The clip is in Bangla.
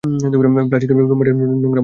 প্লাস্টিকের ব্যাগ, রুমমেটের নোংরা মোজা।